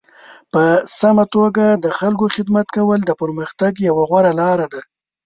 په سمه توګه د خلکو خدمت کول د پرمختګ یوه غوره لاره ده.